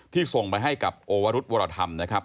ส่งไปให้กับโอวรุธวรธรรมนะครับ